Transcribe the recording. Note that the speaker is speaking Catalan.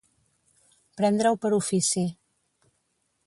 Prendre-ho per ofici.